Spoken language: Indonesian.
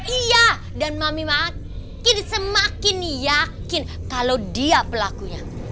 iya dan mami maki semakin yakin kalau dia pelakunya